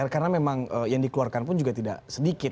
karena memang yang dikeluarkan pun juga tidak sedikit